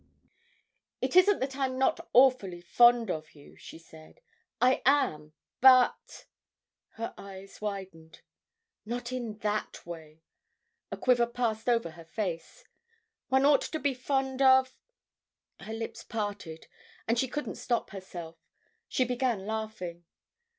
"It isn't that I'm not awfully fond of you," she said. "I am. But"—her eyes widened—"not in the way"—a quiver passed over her face—"one ought to be fond of—" Her lips parted, and she couldn't stop herself. She began laughing.